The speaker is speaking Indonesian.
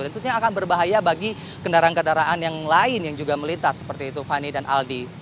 dan sepertinya akan berbahaya bagi kendaraan kendaraan yang lain yang juga melintas seperti itu fani dan aldi